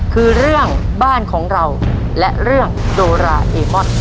คือเรื่องบ้านของเราและเรื่องโดราเอมอน